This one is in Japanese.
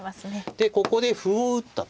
でここで歩を打ったと。